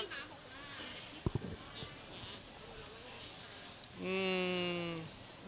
อืม